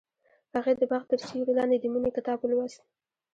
هغې د باغ تر سیوري لاندې د مینې کتاب ولوست.